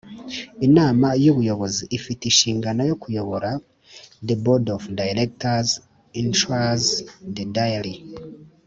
Inama y Ubuyobozi ifite inshingano yo kuyobora The Board of Directors ensures the daily